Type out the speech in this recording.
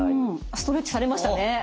ストレッチされましたね。